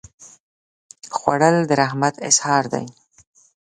خوړل د رحمت اظهار دی